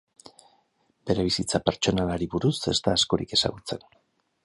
Bere bizitza pertsonalari buruz ez da askorik ezagutzen.